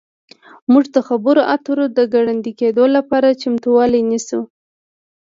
موږ د خبرو اترو د ګړندي کیدو لپاره چمتووالی نیسو